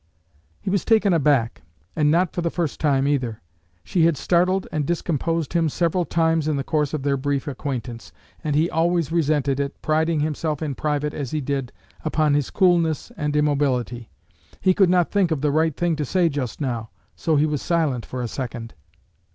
He was taken aback, and not for the first time, either. She had startled and discomposed him several times in the course of their brief acquaintance; and he always resented it, priding himself in private, as he did, upon his coolness and immobility. He could not think of the right thing to say just now, so he was silent for a second.